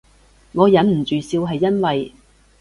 我忍唔住笑係因為